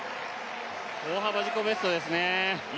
大幅、自己ベストですね。